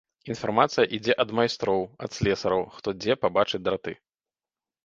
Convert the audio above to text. Інфармацыя ідзе ад майстроў, ад слесараў, хто дзе пабачыць драты.